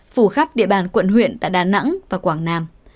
phủ khắp địa bàn quận huyện tại đà nẵng và quảng nam